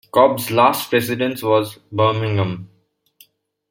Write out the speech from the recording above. Cobb's last residence was Birmingham.